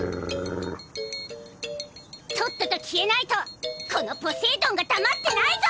とっとと消えないとこのポセイドンが黙ってないぞ！